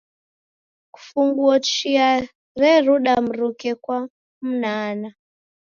Kufunguo chia reruda mruke kwa mnaanaa.